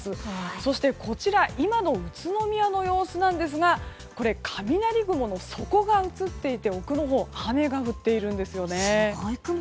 そして、こちら今の宇都宮の様子なんですが雷雲の底が映っていて奥のほうは雨が降っているんですよね。